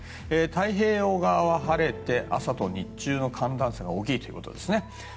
太平洋側は晴れて朝と日中の寒暖差が大きいということです。